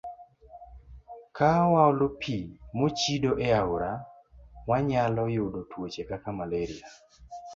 Ka waolo pi mochido e aore, wanyalo yudo tuoche kaka malaria.